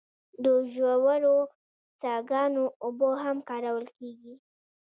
د ژورو څاګانو اوبه هم کارول کیږي.